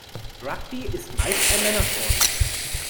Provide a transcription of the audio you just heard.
Rugby ist meist ein Männersport.